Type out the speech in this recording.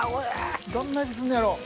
どんな味すんねやろ？